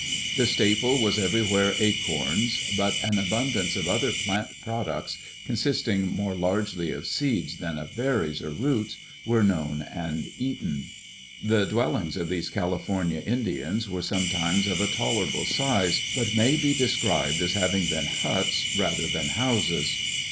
The staple was everywhere acorns, but an abundance of other plant products, consisting more largely of seeds than of berries or roots, were known and eaten. VOL. 2.J Kroeber. Types of Indian Culture in California. 83 The dwellings of these California Indians were sometimes of a tolerable size, but may be described as having been huts rather than houses.